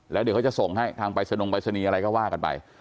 แล้วเดี๋ยวเขาจะส่งให้ทางไปสนงปรายศนีย์อะไรก็ว่ากันไป